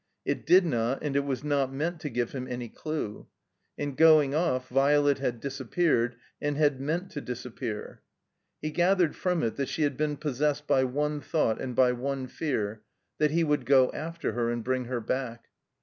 It did not and it was not meant to give him any clue. In going off Violet had disappeared and had meant to disappear. He gathered from it that she had been possessed by one thought and by one fear, that he would go after her and bring her back.